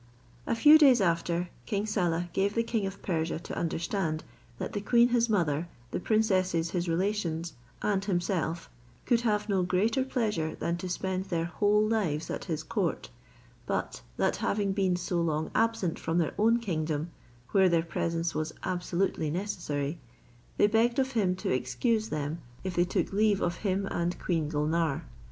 A few days after, King Saleh gave the king of Persia to understand, that the queen his mother, the princesses his relations, and himself, could have no greater pleasure than to spend their whole lives at his court; but that having been so long absent from their own kingdom, where their presence was absolutely necessary, they begged of him to excuse them if they took leave of him and Queen Gulnare.